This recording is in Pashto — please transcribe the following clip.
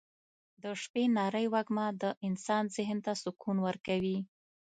د شپې نرۍ وږمه د انسان ذهن ته سکون ورکوي.